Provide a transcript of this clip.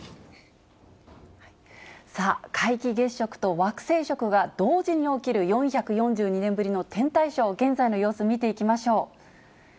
さあ、皆既月食と惑星食が同時に起きる、４４２年ぶりの天体ショー、現在の様子、見ていきましょう。